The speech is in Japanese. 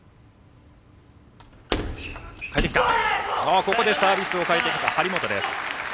ここでサービスを変えてきた張本です。